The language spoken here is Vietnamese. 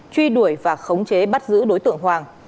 truy đuổi và khống chế bắt giữ đối tượng hoàng